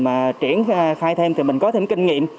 mà triển khai thêm thì mình có thêm kinh nghiệm